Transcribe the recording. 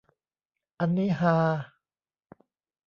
อันนี้ฮา